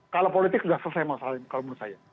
kalau politik nggak selesai masalahnya kalau menurut saya